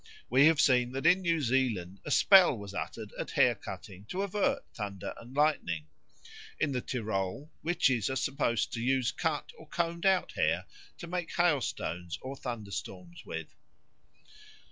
We have seen that in New Zealand a spell was uttered at hair cutting to avert thunder and lightning. In the Tyrol, witches are supposed to use cut or combed out hair to make hailstones or thunderstorms with.